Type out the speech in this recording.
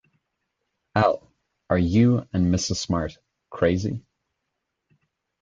Al, are you and Mrs. Smart crazy?